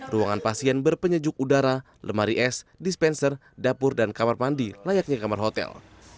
ruangan pasien berpenyejuk udara lemari es dispenser dapur dan kamar mandi layaknya kamar hotel